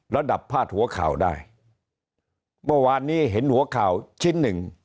พาดหัวข่าวได้เมื่อวานนี้เห็นหัวข่าวชิ้นหนึ่ง